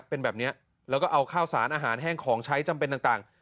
เป็นแบบนี้แล้วก็เอาข้าวสารอาหารแห้งของใช้จำเป็นต่าง